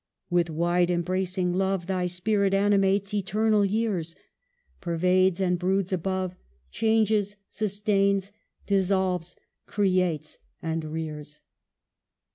" With wide embracing love Thy spirit animates eternal years, Pervades and broods above, Changes, sustains, dissolves, creates, and rears.